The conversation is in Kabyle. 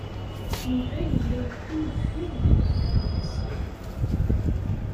Yuba yella yeqqim deffir Dehbiya u Ɛisiw.